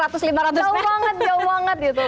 atau banget jauh banget gitu